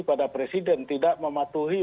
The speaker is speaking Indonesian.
pada presiden tidak mematuhi